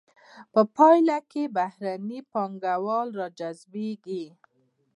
په پایله کې بهرنۍ پانګونه را جذبیږي.